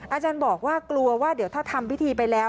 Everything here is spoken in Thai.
อาจารย์บอกว่ากลัวว่าเดี๋ยวถ้าทำพิธีไปแล้ว